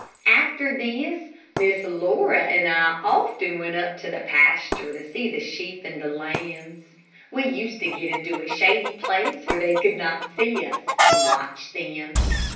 After this Miss Laura and I often went up to the pasture to see the sheep and the lambs. We used to get into a shady place where they could not see us, and watch them.